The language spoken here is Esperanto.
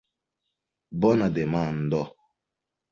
Bona demando!